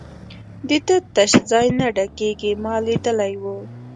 د ده تش ځای نه ډکېږي، ما لیدلی وو.